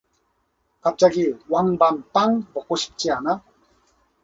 갑자기 왕밤 빵 먹고 싶지 않아?